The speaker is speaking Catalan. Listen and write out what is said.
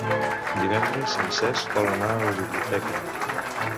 Divendres en Cesc vol anar a la biblioteca.